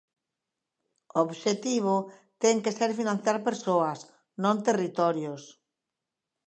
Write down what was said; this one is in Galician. O obxectivo ten que ser financiar persoas, non territorios.